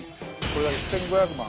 これが１，５００万。